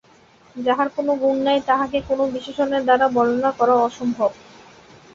যাঁহার কোন গুণ নাই, তাঁহাকে কোন বিশেষণের দ্বারা বর্ণনা করা অসম্ভব।